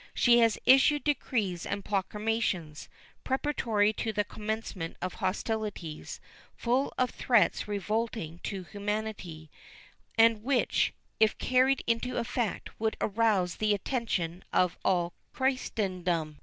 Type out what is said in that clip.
She has issued decrees and proclamations, preparatory to the commencement of hostilities, full of threats revolting to humanity, and which if carried into effect would arouse the attention of all Christendom.